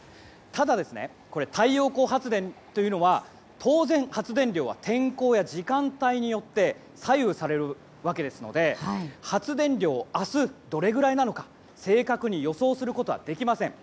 ただ、太陽光発電というのは当然、発電量は天候や時間帯によって左右されるわけですので発電量を明日、どれくらいなのか正確に予想することはできません。